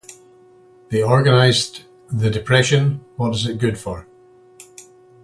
They organized the Depression: What is it Good For?